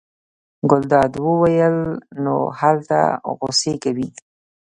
ګلداد وویل: نو هلته غوسې کوې.